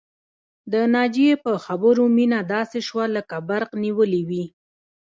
د ناجيې په خبرو مينه داسې شوه لکه برق نيولې وي